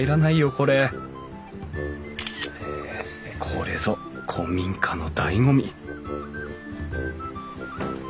これこれぞ古民家のだいご味！